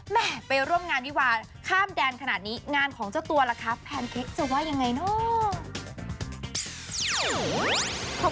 แม่ไปร่วมงานวิวาข้ามแดนขนาดนี้งานของเจ้าตัวล่ะคะแพนเค้กจะว่ายังไงเนอะ